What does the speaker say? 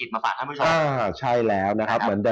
เข้าสู่ช่วงอีคอนิเมกกับครอบครัวบัวหลวงนะคะ